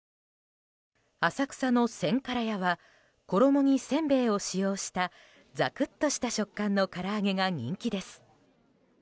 浅草のせんから屋は衣にせんべいを使用したザクっとした食感のから揚げが人気です。